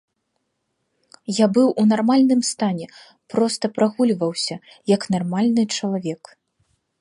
Я быў у нармальным стане, проста прагульваўся, як нармальны чалавек.